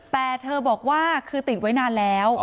แต่เธอบอกว่าคือติดไว้นานแล้ว